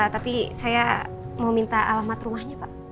tapi saya mau minta alamat rumahnya pak